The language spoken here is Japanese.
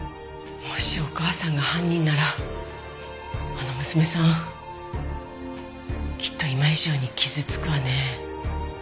もしお母さんが犯人ならあの娘さんきっと今以上に傷つくわね。